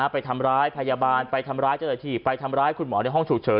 ไปทำร้ายพยาบาลไปทำร้ายเจ้าหน้าที่ไปทำร้ายคุณหมอในห้องฉุกเฉิน